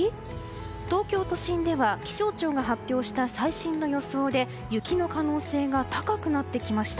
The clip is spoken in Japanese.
東京都心では気象庁が発表した最新の予想で雪の可能性が高くなってきました。